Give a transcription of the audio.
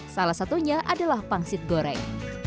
salah satunya adalah pangsit goreng